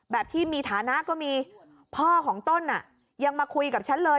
ที่มีฐานะก็มีพ่อของต้นยังมาคุยกับฉันเลย